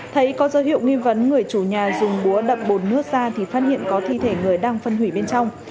thấy có dấu hiệu nghi vấn người chủ nhà dùng búa đập bồn nước ra thì phát hiện có thi thể người đang phân hủy bên trong